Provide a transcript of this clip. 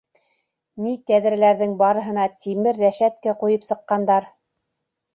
Ни тәҙрәләрҙең барыһына тимер рәшәткә ҡуйып сыҡҡандар.